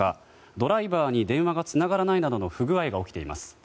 ドライバーに電話がつながらないなどの不具合が起きています。